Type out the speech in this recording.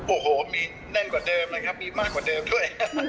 โอ้โหมีแน่นกว่าเดิมนะครับมีมากกว่าเดิมด้วย